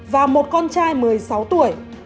và một con trai một mươi sáu tuổi